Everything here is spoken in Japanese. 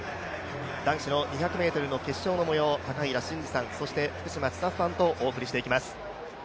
男子の２００ｍの決勝の模様、高平慎士さん、そして福島千里さんとお送りしていきます。